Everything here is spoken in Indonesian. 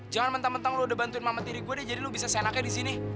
jangan mentang mentang lu udah bantuin mama tiri gua deh jadi lu bisa senaknya di sini